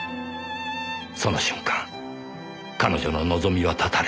その瞬間彼女の望みは絶たれた。